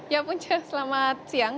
ya punca selamat siang